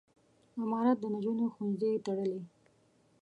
امارت د نجونو ښوونځي تړلي.